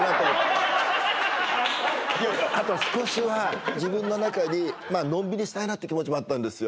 あと少しは自分の中になって気持ちもあったんですよ